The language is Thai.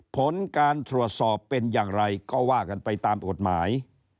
ผลการตรวจสอบเป็นอย่างไรก็ว่ากันไปตามกฎหมาย